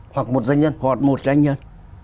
hoặc một doanh nhân hoặc một doanh nhân